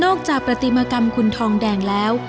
จากปฏิมากรรมคุณทองแดงแล้ว